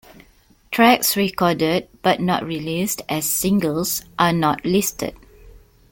Tracks recorded but not released as singles are not listed.